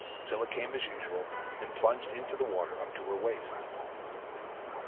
Scylla came as usual and plunged into the water up to her waist.